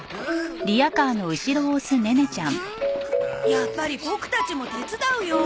やっぱりボクたちも手伝うよ。